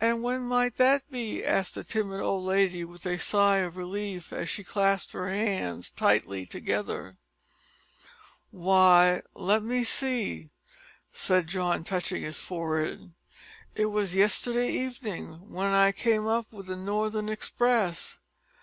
"And when might that be?" asked the timid old lady with a sigh of relief as she clasped her hands tightly together. "W'y, let me see," said John, touching his forehead, "it was yesterday evenin' w'en I came up with the northern express."